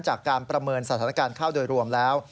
จากการประเมินสถานการณ์ข้าวโดยรวมแล้ว